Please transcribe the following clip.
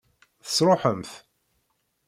Tesṛuḥem-t?